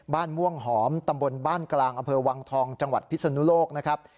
ม่วงหอมตำบลบ้านกลางอำเภอวังทองจังหวัดพิศนุโลกนะครับ